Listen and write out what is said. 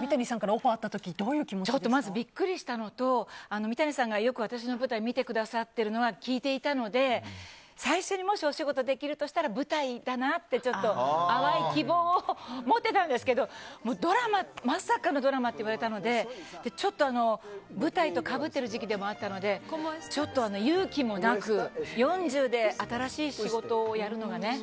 三谷さんからオファーがあった時まずビックリしたのと三谷さんが、よく私の舞台を見てくださっているのは聞いていたので最初に、もしお仕事ができるとしたら舞台だなってちょっと淡い希望を持ってたんですけどまさかのドラマと言われたのでちょっと、舞台とかぶってる時期でもあったのでちょっと勇気もなく４０で新しい仕事をやるのがね。